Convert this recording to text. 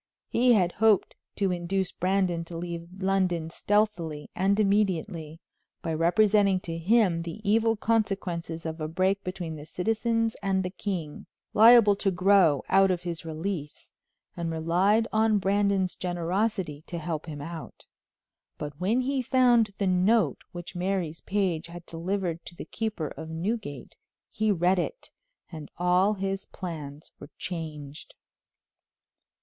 He had hoped to induce Brandon to leave London stealthily and immediately, by representing to him the evil consequences of a break between the citizens and the king, liable to grow out of his release, and relied on Brandon's generosity to help him out; but when he found the note which Mary's page had delivered to the keeper of Newgate, he read it and all his plans were changed.